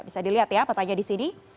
bisa dilihat ya petanya di sini